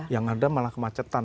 yang ada malah kemacetan